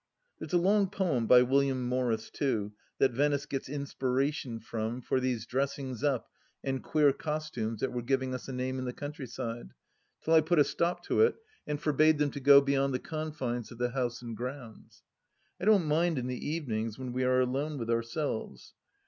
There's a long poem by William Morris, too, that Venice gets inspiration fromfor these dressings up and queer costumes that were giving us a name in the countryside, till I put a stop to it and forbade them to go beyond the confines of the house and grounds. I don't mind in the evenings when we are alone with ourselves.